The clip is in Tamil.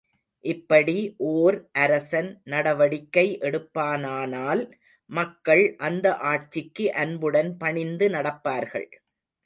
இப்படி ஓர் அரசன் நடவடிக்கை எடுப்பானானால், மக்கள் அந்த ஆட்சிக்கு அன்புடன் பணிந்து நடப்பார்கள்.